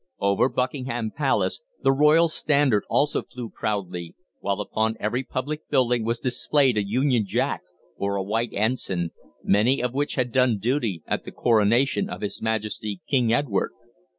Over Buckingham Palace the Royal Standard also flew proudly, while upon every public building was displayed a Union Jack or a white ensign, many of which had done duty at the coronation of His Majesty King Edward.